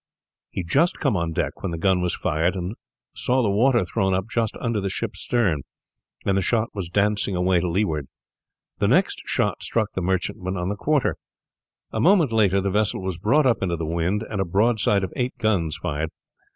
He had just come on deck when the gun was fired, and saw the water thrown up just under the ship's stern, and the shot was dancing away to leeward. The next shot struck the merchantman on the quarter. A moment later the vessel was brought up into the wind and a broadside of eight guns fired.